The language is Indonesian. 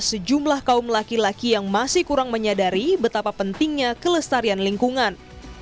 sejumlah kaum laki laki yang masih kurang menyadari betapa pentingnya kelestarian lingkungan